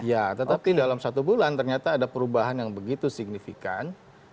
ya tetapi dalam satu bulan ternyata ada perubahan yang begitu signifikan